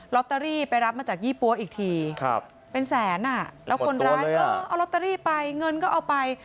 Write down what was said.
ลอตเตอรี่ไปรับมาจากยี่ปั๊วอีกทีเป็นแสนแล้วคนร้ายก็เอาลอตเตอรี่ไปเงินก็เอาไป